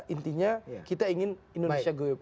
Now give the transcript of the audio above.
intinya kita ingin indonesia goyop